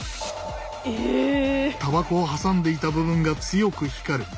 たばこを挟んでいた部分が強く光る。